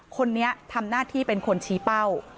คนนี้ทำหน้าที่เป็นคนชี้เป้า